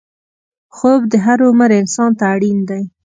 خوب د هر عمر انسان ته اړین دی